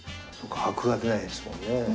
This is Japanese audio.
そうかアクが出ないですもんね